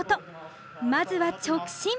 まずは直進。